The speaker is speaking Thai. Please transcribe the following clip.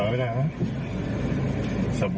ครับ